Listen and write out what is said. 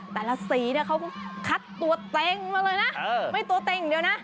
แต่ละสีเนี้ยเขาต้องคัดตัวเต็งมาเลยนะเออไม่ตัวเต็งเดียวน่ะ